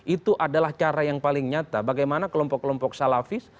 itu adalah cara yang paling nyata bagaimana kelompok kelompok salafis